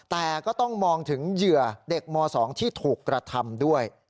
แต่ก็ต้องมองถึงเหยื่อเด็กม๒ที่ถูกกระทำด้วย